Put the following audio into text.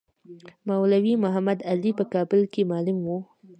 مولوی محمدعلي په کابل کې معلم وو.